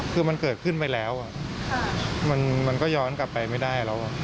คือมันเกิดขึ้นไปแล้วมันก็ย้อนกลับไปไม่ได้แล้ว